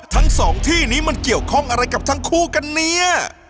ทั้งสองที่นี้มันเกี่ยวข้องอะไรกับทั้งคู่กันเนี่ย